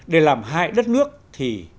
để làm hại đất nước thì